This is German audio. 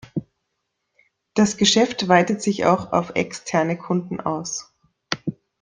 Das Geschäft weitet sich auch auf externe Kunden aus.